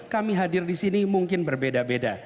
kami hadir disini mungkin berbeda beda